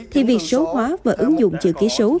thì việc số hóa và ứng dụng trực tuyến